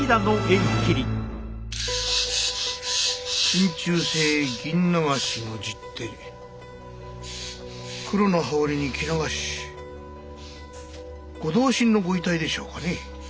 真鍮製銀流しの十手黒の羽織に着流しご同心のご遺体でしょうかね。